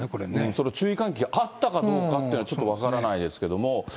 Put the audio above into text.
その注意喚起があったかどうかというのはちょっと分からないですけれども。